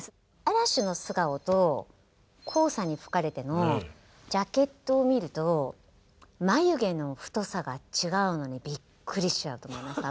「嵐の素顔」と「黄砂に吹かれて」のジャケットを見ると眉毛の太さが違うのにびっくりしちゃうと思います。